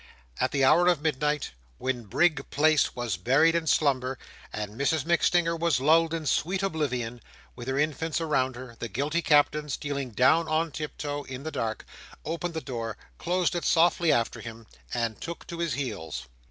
At the hour of midnight, when Brig Place was buried in slumber, and Mrs MacStinger was lulled in sweet oblivion, with her infants around her, the guilty Captain, stealing down on tiptoe, in the dark, opened the door, closed it softly after him, and took to his heels.